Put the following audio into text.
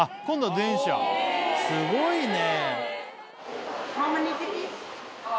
すごいね。